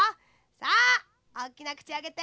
さあおおきなくちあけて。